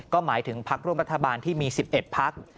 ก็หมายถึงพักร่วมรัฐบาลที่มี๑๑พัก